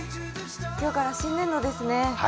今日から新年度ですね。